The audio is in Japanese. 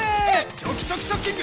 チョキチョキチョッキング！